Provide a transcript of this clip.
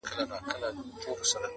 ګوښه پروت وو د مېږیانو له آزاره،